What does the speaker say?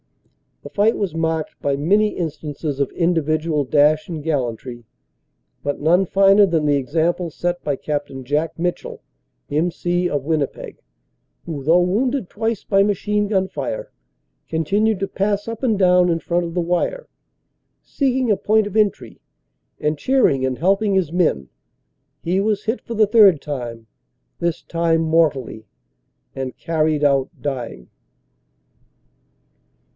;< The fight was marked by many instances of individual dash and gallantry, but none finer than the example set by Capt. Jack Mitchell, M.C., of Winnipeg, who though wounded twice by machine gun fire, continued to pass up and down in front of the wire, seeking a point of entry, and cheer ing and helping his men. He was hit for the third time, this time mortally, and carried out dying.